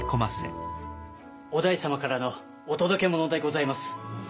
於大様からのお届け物でございます。